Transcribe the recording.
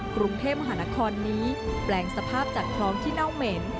กรุงเทพมหานครนี้แปลงสภาพจากคลองที่เน่าเหม็น